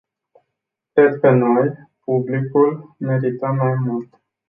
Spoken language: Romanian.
Cred că noi, publicul, merităm mai mult.